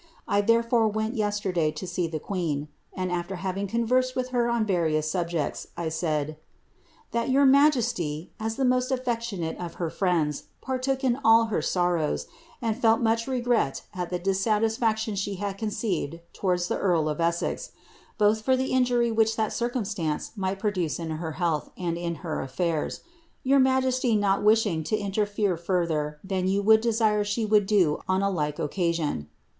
I tlierefore went yesterday to see the queen, and ailer having conversed with her on various subjects, I said, ^ that your majesty, as the most afiectionate of her friends, partook in all her sor rows, and felt much regret at the dissatisfaction which she had conceived towards the earl of Essex, both for the injury which that circumstance might produce in her health and in her hfSun ; your majesty not wish ing to interfere further than you would desire she would do on a like occasion.